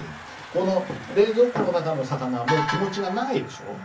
この「冷蔵庫の中の魚」もう気持ちがないでしょ。